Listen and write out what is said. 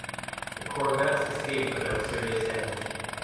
The corvettes escaped without serious damage.